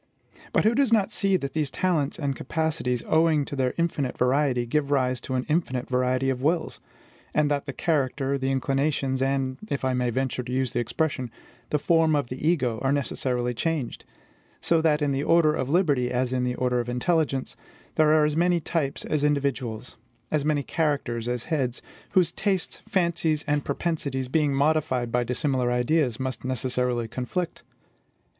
But who does not see that these talents and capacities, owing to their infinite variety, give rise to an infinite variety of wills, and that the character, the inclinations, and if I may venture to use the expression the form of the ego, are necessarily changed; so that in the order of liberty, as in the order of intelligence, there are as many types as individuals, as many characters as heads, whose tastes, fancies, and propensities, being modified by dissimilar ideas, must necessarily conflict?